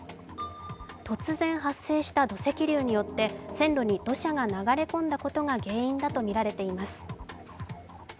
突然発生した土石流によって線路に土砂が流れ込んだことが原因だとみられています。